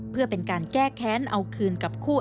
เพื่อเป็นการแก้แค้นเอาคืนกับคู่